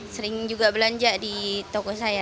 sering juga belanja di toko saya